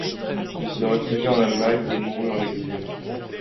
Il se réfugia en Allemagne et mourut en exil.